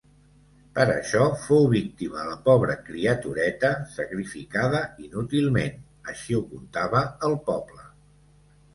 Per això, fou víctima la pobra criatureta, sacrificada inútilment. Així ho contava el poble.